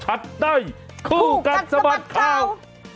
คู่กัดสมัดข่าวคู่กัดสมัดข่าว